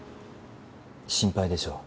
心配でしょう